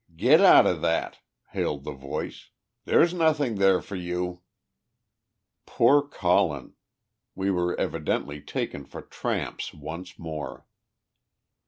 "Get out o' that!" hailed the voice. "There's nothing there for you." Poor Colin! We were evidently taken for tramps once more.